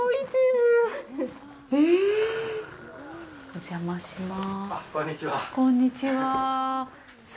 お邪魔します。